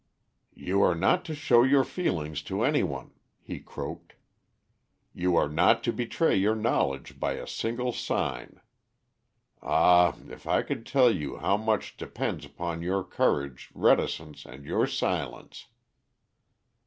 "You are not to show your feelings to any one," he croaked. "You are not to betray your knowledge by a single sign. Ah, if I could tell you how much depends upon your courage, reticence, and your silence!"